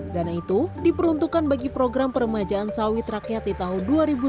dana itu diperuntukkan bagi program peremajaan sawit rakyat di tahun dua ribu dua puluh